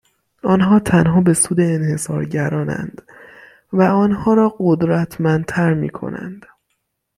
آنها تنها به سود انحصارگراناند و آنها را قدرتمندتر میکنند